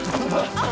あっ！